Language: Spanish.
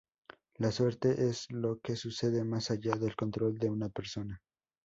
La suerte es lo que sucede más allá del control de una persona.